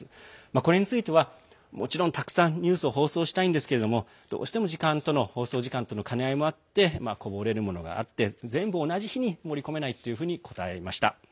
これについては、もちろんたくさんニュースを放送したいんですがどうしても放送時間との兼ね合いもあってこぼれるものがあって全部同じ日に盛り込めないというふうに答えました。